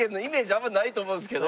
あんまりないと思うんですけど。